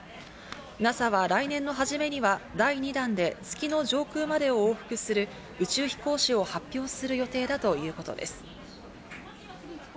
ＮＡＳＡは来年の初めには第２弾で月の上空までを往復する宇宙飛行士を発表する予定だということです。